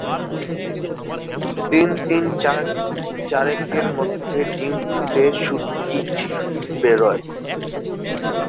দিন তিন-চারেকের মধ্য ডিম ফুটে শূককীট বেরোয়।